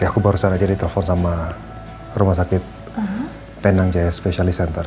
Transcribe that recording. aku barusan aja ditelepon sama rumah sakit penang jaya specially center